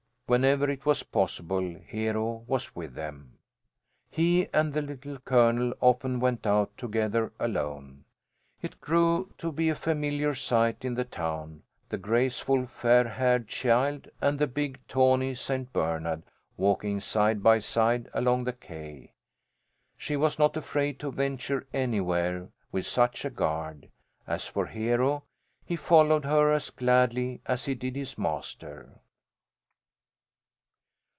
Whenever it was possible, Hero was with them. He and the Little Colonel often went out together alone. It grew to be a familiar sight in the town, the graceful fair haired child and the big tawny St. Bernard, walking side by side along the quay. She was not afraid to venture anywhere with such a guard. As for Hero, he followed her as gladly as he did his master.